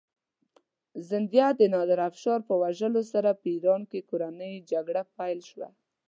زندیه د نادرافشار په وژلو سره په ایران کې کورنۍ جګړه پیل شوه.